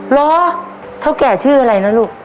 เหรอเท่าแก่ชื่ออะไรนะลูก